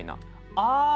ああ！